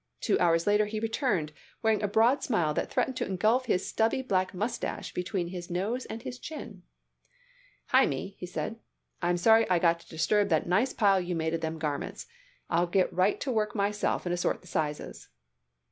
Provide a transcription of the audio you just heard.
Two hours later he returned, wearing a broad smile that threatened to engulf his stubby black mustache between his nose and his chin. "Hymie," he said, "I'm sorry I got to disturb that nice pile you made of them garments. I'll get right to work myself and assort the sizes."